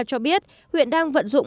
cho biết huyện đang vận dụng